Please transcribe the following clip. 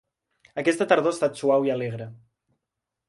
Aquesta tardor ha estat suau i alegre.